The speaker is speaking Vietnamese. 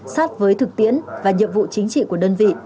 sát với thực tiễn và nhiệm vụ chính trị của đơn vị